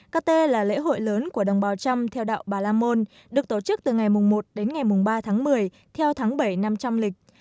kt là lễ hội lớn của đồng bào trăm theo đạo bà la môn được tổ chức từ ngày một đến ngày ba tháng một mươi theo tháng bảy năm trăm linh lịch